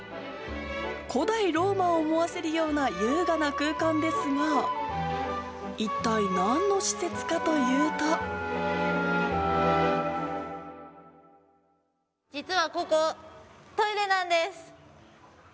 古代ローマを思わせるような優雅な空間ですが、一体、実はここ、トイレなんです。